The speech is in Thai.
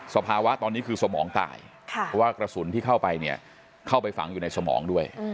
สภาวะตอนนี้คือสมองตายเพราะว่ากระสุนที่เข้าไปเนี่ยเข้าไปฝังอยู่ในสมองด้วย